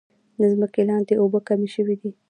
د ځمکې لاندې اوبه کمې شوي دي.